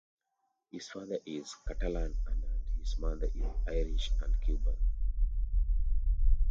His father is Catalan and his mother is Irish and Cuban.